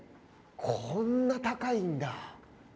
こんな高いんだ。